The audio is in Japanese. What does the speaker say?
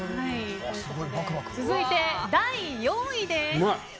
続いて、第４位です。